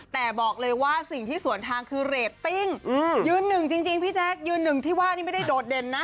แต่บอกเลยว่าสิ่งที่สวนทางคือเรตติ้งยืนหนึ่งจริงพี่แจ๊คยืนหนึ่งที่ว่านี่ไม่ได้โดดเด่นนะ